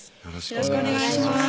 よろしくお願いします